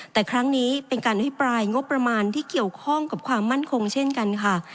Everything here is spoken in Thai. แต่ครั้งนี้เป็นการอภิปรายงบประมาณที่เกี่ยวข้องกับความมั่นคงเช่นกันค่ะ